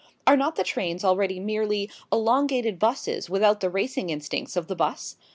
Are not the trains already merely elongated buses without the racing instincts of the bus?